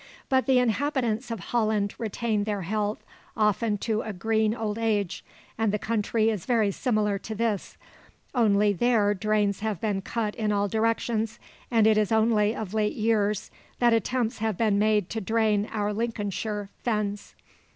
But the inhabitants of Holland retain their health often to a green old age, and the country is very similar to this, only there drains have been cut in all directions, and it is only of late years that attempts have been made to drain our Lincolnshire fens.